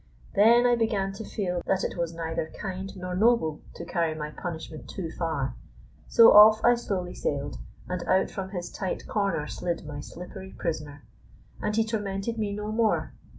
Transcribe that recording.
Then I began to feel that it was neither kind nor noble to carry my punishment too far, so off I slowly sailed, and out from his tight corner slid my slippery prisoner. And he tormented me no more.